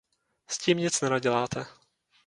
S tím nic nenaděláte.